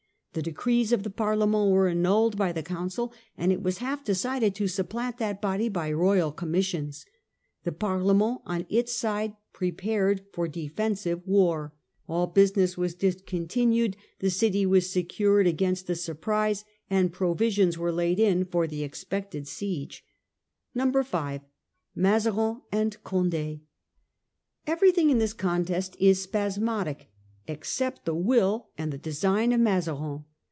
The decrees of the Parlement were annulled by the Council, and it was half decided to sup plant that body by royal commissions. The Parlement on its side prepared for defensive war. All business was discontinued, the city was secured against a surprise, and provisions were laid in for the expected siege 5. Mazarin and CondA Everything in this contest is spasmodic, except the will and the design of Mazarin.